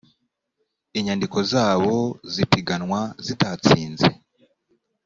inyandiko zabo z ipiganwa zitatsinze